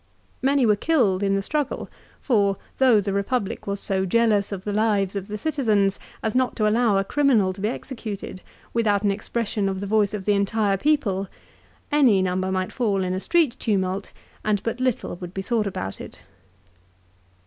Many were killed in the struggle, for, though the Republic was so jealous of the lives of the citizens as not to allow a criminal to be executed without an expression of the voice of the entire people, any number might fall in a street tumult and but little would be thought about it.